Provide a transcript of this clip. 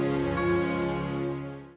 ya udah mpok